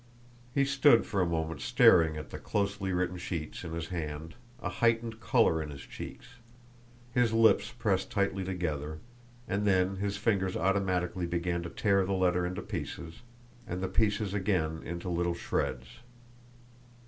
He stood for a moment staring at the closely written sheets in his hand, a heightened colour in his cheeks, his lips pressed tightly together and then his fingers automatically began to tear the letter into pieces, and the pieces again into little shreds.